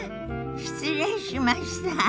失礼しました。